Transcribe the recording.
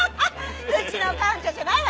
うちの患者じゃないわ。